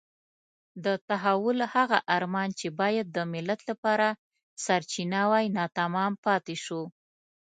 د تحول هغه ارمان چې باید د ملت لپاره سرچینه وای ناتمام پاتې شو.